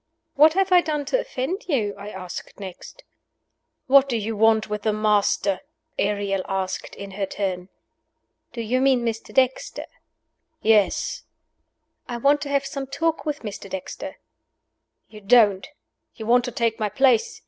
"What have I done to offend you?" I asked next. "What do you want with the Master?" Ariel asked, in her turn. "Do you mean Mr. Dexter?" "Yes." "I want to have some talk with Mr. Dexter." "You don't! You want to take my place.